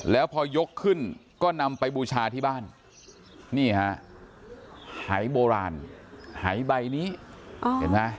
แล้วพอยกขึ้นก็นำไปบูชาที่บ้านนี่ฮะหายโบราณหายใบนี้เห็นไหม